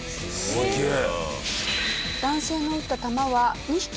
すげえ！